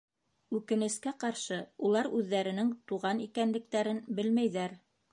Үкенескә ҡаршы, улар үҙҙәренең туған икәнлектәрен белмәйҙәр.